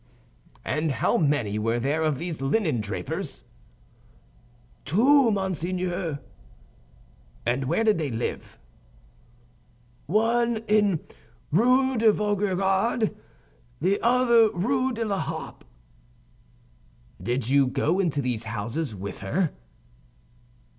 "And how many were there of these linen drapers?" "Two, monseigneur." "And where did they live?" "One in Rue de Vaugirard, the other Rue de la Harpe." "Did you go into these houses with her?"